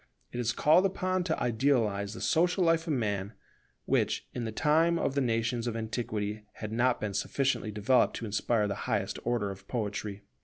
It is called upon to idealize the social life of Man, which, in the time of the nations of antiquity, had not been sufficiently developed to inspire the highest order of poetry.